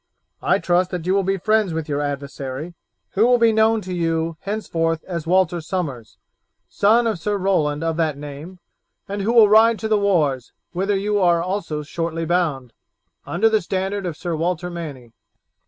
I trust that you will be friends with your adversary, who will be known to you henceforth as Walter Somers, son of Sir Roland of that name, and who will ride to the wars, whither you also are shortly bound, under the standard of Sir Walter Manny."